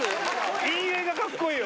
陰影がかっこいいよ。